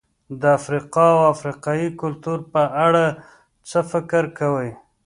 د افریقا او افریقایي کلتور په اړه څه فکر کوئ؟